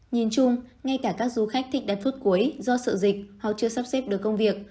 nhìn chung ngay cả các du khách thích đến phút cuối do sợ dịch họ chưa sắp xếp được công việc